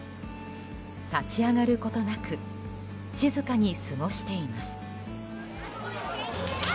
立ち上がることなく静かに過ごしています。